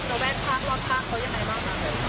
แล้วแวะข้างรถข้างเค้ายังไงบ้าง